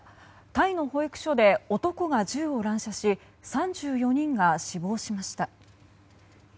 タイの保育所で男が銃を乱射し３４人が死亡しました。